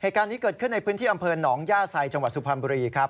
เหตุการณ์นี้เกิดขึ้นในพื้นที่อำเภอหนองย่าไซจังหวัดสุพรรณบุรีครับ